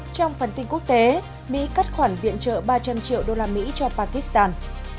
trong phần tin quốc tế mỹ cắt khoản viện trợ ba trăm linh triệu usd cho pakistan